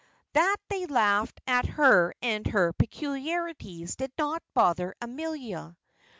That they laughed at her and her peculiarities, did not bother Amelia.